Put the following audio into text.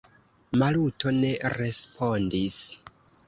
Maluto ne respondis.